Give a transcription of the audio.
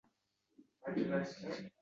Aybi…